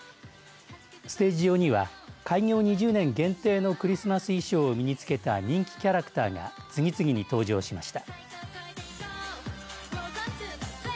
ステージ上には開業２０年限定のクリスマス衣装を身につけた人気キャラクターが次々に登場しました。